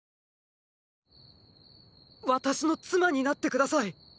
私の妻になって下さい。